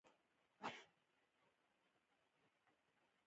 کلتور د افغانستان د فرهنګي فستیوالونو یوه ډېره مهمه او بنسټیزه برخه ده.